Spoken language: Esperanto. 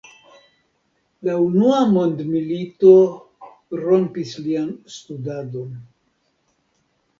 La unua mondmilito rompis lian studadon.